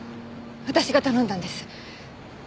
私が頼んだんです。